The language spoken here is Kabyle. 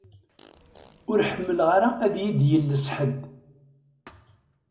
Ur ḥemmleɣ ara ad yi-d-yelles ḥedd.